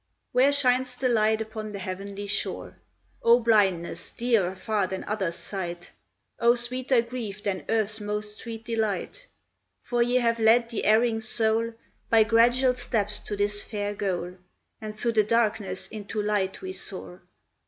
] Where shines the light upon the heavenly shore! O blindness, dearer far than others' sight! O sweeter grief than earth's most sweet delight! For ye have led the erring soul By gradual steps to this fair goal, And through the darkness into light we soar.